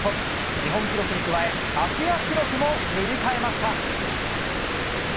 日本記録に加え、アジア記録も塗り替えました。